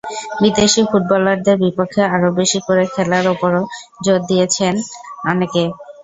বিদেশি ফুটবলারদের বিপক্ষে আরও বেশি করে খেলার ওপরও জোর দিয়েছিলেন অনেকে।